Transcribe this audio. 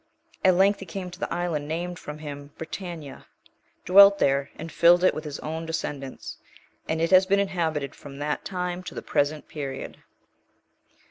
(4) At length he came to this island named from him Britannia, dwelt there, and filled it with his own descendants, and it has been inhabited from that time to the present period.